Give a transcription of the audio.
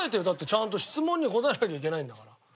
だってちゃんと質問には答えなきゃいけないんだから。